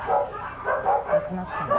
亡くなったの？